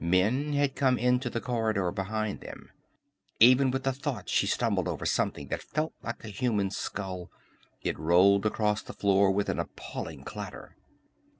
Men had come into the corridor behind them. Even with the thought she stumbled over something that felt like a human skull. It rolled across the floor with an appalling clatter.